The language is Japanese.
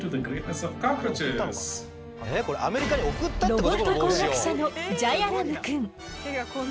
ロボット工学者のジャヤラムくん。